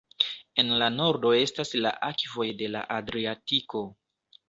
En la nordo estas la akvoj de la Adriatiko.